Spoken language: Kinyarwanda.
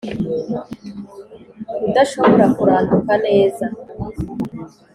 Udashobora kuranduka neza